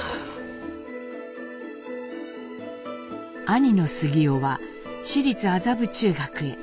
兄の杉男は私立麻布中学へ。